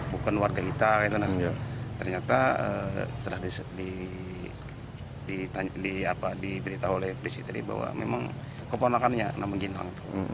bukan warga kita ternyata setelah diberitahu oleh polisi tadi bahwa memang keponakannya nama ginong